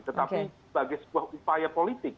tetapi sebagai sebuah upaya politik